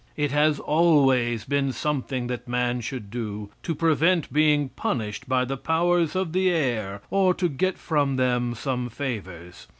It has always been something that man should do to prevent being punished by the powers of the air or to get from them some favors.